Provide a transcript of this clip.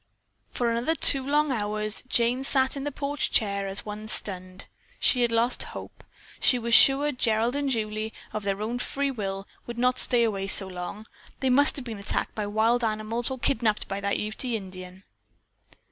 For another two long hours Jane sat in the porch chair as one stunned. She had lost hope. She was sure Julie and Gerald, of their own free will, would not stay away so long. They must have been attacked by wild animals or kidnapped by that Ute Indian.